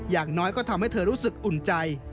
อย่างน้อยก็ทำให้เธอรู้สึกอุ่นใจ